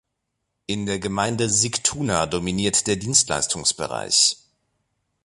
In der Gemeinde Sigtuna dominiert der Dienstleistungsbereich.